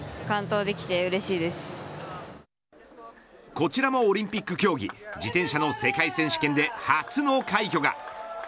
こちらもオリンピック競技自転車の世界選手権で初の快挙が。